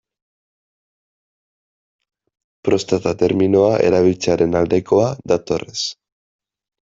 Prostata terminoa erabiltzearen aldekoa da Torres.